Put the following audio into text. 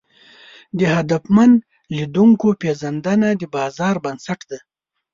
د هدفمن لیدونکو پېژندنه د بازار بنسټ ده.